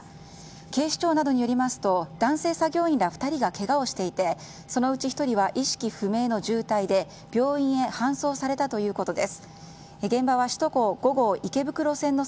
警視庁などによりますと男性作業員ら２人がけがをしていてそのうち１人は意識不明の重体で病院へ搬送されたということです。